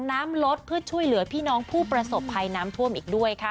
น้ำลดเพื่อช่วยเหลือพี่น้องผู้ประสบภัยน้ำท่วมอีกด้วยค่ะ